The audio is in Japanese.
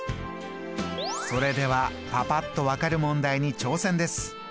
それではパパっと分かる問題に挑戦です。